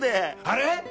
あれ？